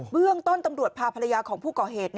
เรื่องต้นตำรวจพาภรรยาของผู้ก่อเหตุ